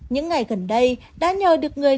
những ngày gần đây đã nhờ được người